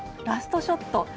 ラストショット